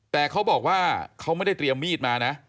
แต่เขาบอกว่าเขาไม่ได้เตรียมมีดมานะ